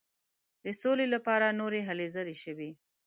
د سولي لپاره نورې هلې ځلې شوې.